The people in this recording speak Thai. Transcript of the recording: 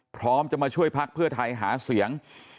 พร้อมจะมาช่วยพักเพื่อไทยหาเสียง